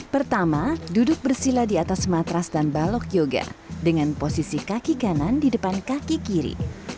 pertama duduk bersila di atas matras dan balok yoga dengan posisi kaki kanan di depan kaki kiri